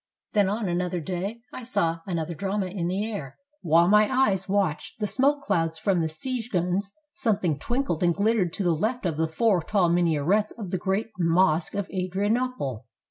Then on another day I saw another drama in the air. While my eyes watched the smoke clouds from the siege guns something twinkled and glittered to the left of the four tall minarets of the great mosque of Adrianople.